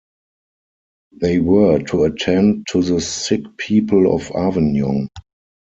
They were to attend to the sick people of Avignon.